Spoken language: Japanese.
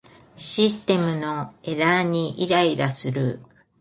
システムのエラーにイライラする